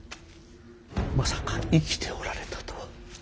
まさか生きておられたとは。